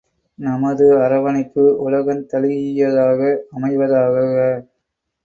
நமது அரவணைப்பு உலகந்தழீஇயதாக அமைவதாகுக!